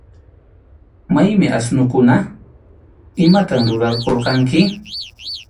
¿Maymi asnukuna? ¿Imatam rurarqurqanki?